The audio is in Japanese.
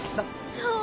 そう？